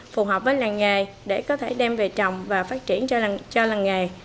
phù hợp với làng nghề để có thể đem về trồng và phát triển cho làng nghề